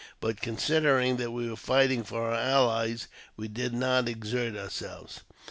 But^ considering that we were fighting for our allies, we did not exert ourselves.